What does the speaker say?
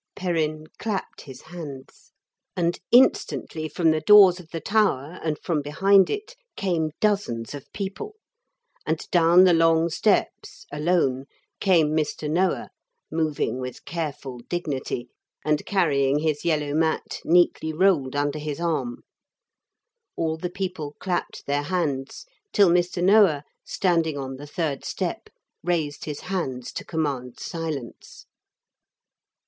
Perrin clapped his hands. And instantly from the doors of the tower and from behind it came dozens of people, and down the long steps, alone, came Mr. Noah, moving with careful dignity and carrying his yellow mat neatly rolled under his arm. All the people clapped their hands, till Mr. Noah, standing on the third step, raised his hands to command silence.